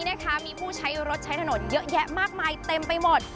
ในปัจจุบันนี้มีผู้ใช้รถใช้ถนนเยอะแยะมากมายเต็มไปหมด